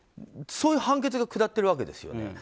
そういう判決が下っているわけなんですよね。